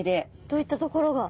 どういったところが？